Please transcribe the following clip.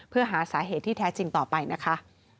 เพื่อหาสาเหตุที่แท้จริงต่อไปนะคะ